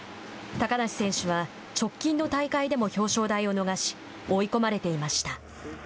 高梨選手は直近の大会でも表彰台を逃し追い込まれていました。